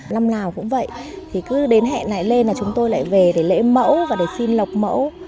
năm nào cũng vậy thì cứ đến hẹn lại lên là chúng tôi lại về để lấy mẫu và để xin lọc mẫu